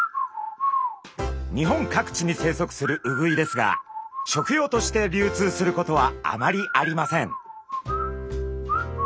日本各地に生息するウグイですが食用として流通することはあまりありません。